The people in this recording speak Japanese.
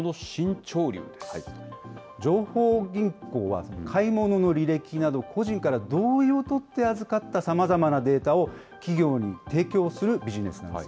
情報銀行は買い物の履歴など、個人から同意を取って預かった、さまざまなデータを、企業に提供するビジネスなんです。